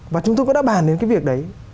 và chúng tôi cũng đã bàn đến cái việc đấy